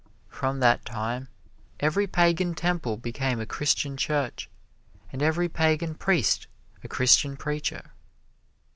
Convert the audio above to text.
From that time every Pagan temple became a Christian church, and every Pagan priest a Christian preacher.